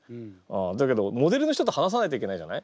だけどモデルの人と話さないといけないじゃない？